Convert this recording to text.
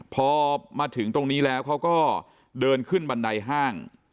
พอมาถึงตรงนี้แล้วเขาก็เดินขึ้นบันไดห้าง